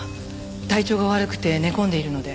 体調が悪くて寝込んでいるので。